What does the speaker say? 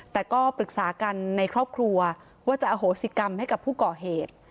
แต่ก็ปรึกษากันในครอบครัวว่าจะอโหสิกรรมให้กับผู้ก่อเหตุ